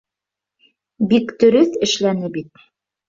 Бик дөрөҫ эшләне бит.